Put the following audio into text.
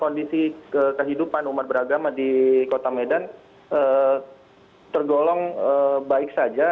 kondisi kehidupan umat beragama di kota medan tergolong baik saja